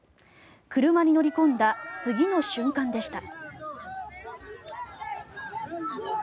車に乗り込んだ次の瞬間でした。